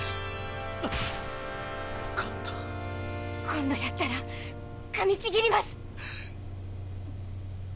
今度やったらかみちぎります。